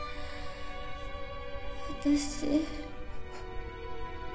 私